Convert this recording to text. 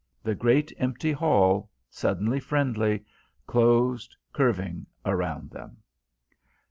The great empty hall, suddenly friendly, closed, curving, around them.